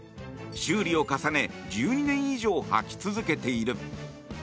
修理を重ね１２年以上、履き続けている。